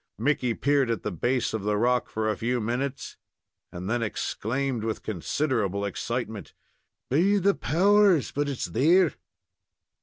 Mickey peered at the base of the rock for a few minutes, and then exclaimed, with considerable excitement: "Be the powers! but it's there!"